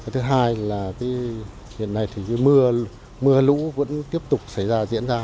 thứ hai là hiện nay thì mưa lũ vẫn tiếp tục xảy ra diễn ra